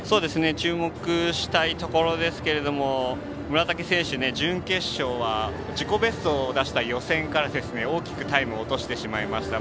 注目したいところですが村竹選手、準決勝は自己ベストを出した予選から大きくタイムを落としてしまいました。